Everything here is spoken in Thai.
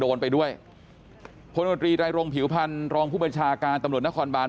โดนไปด้วยพลโนตรีไตรรงผิวพันธ์รองผู้บัญชาการตำรวจนครบาน